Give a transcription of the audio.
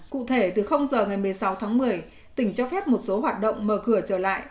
cụ thể từ giờ ngày một mươi sáu tháng một mươi tỉnh cho phép một số hoạt động mở cửa trở lại